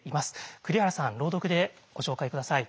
栗原さん朗読でご紹介下さい。